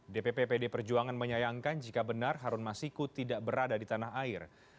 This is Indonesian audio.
dpp pd perjuangan menyayangkan jika benar harun masiku tidak berada di tanah air